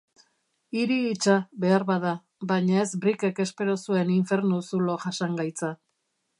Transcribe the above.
Hiri hitsa, beharbada, baina ez Brickek espero zuen infernu-zulo jasangaitza.